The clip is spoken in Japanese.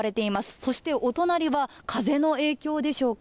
そしてお隣は風の影響でしょうか。